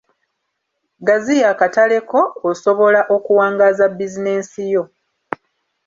Gaziya akatale ko osobola okuwangaaza bizinensi yo.